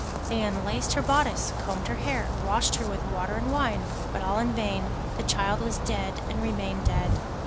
They unlaced her bodice, combed her hair, washed her with water and wine, but all in vain; the child was dead and remained dead.